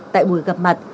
tại buổi gặp mặt